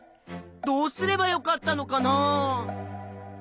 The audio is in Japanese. どうすればよかったのかな？